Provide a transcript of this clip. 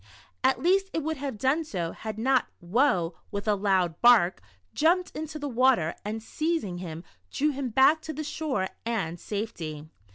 At least it would have done so, had not Woe, with a loud bark, jumped into the water, and seizing him, drew him back to the shore and safety.